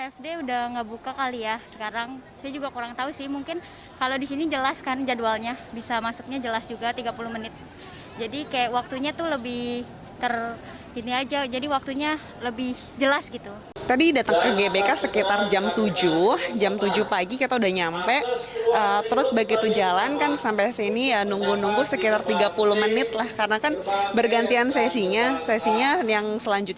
pihak pengelola menerapkan pola shifting